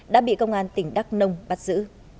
đã bị công an tỉnh đắk nông bắt giữ